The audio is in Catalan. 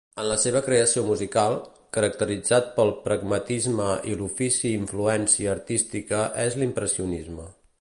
En la seva creació musical, caracteritzat pel pragmatisme i l'ofici influència artística és l'impressionisme.